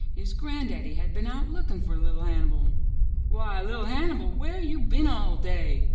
His gran'daddy had been out looking for Li'l' Hannibal. *'Why, Li'r Hannibal, where you been all day?'